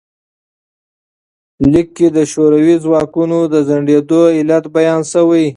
لیک کې د شوروي ځواکونو د ځنډیدو علت بیان شوی.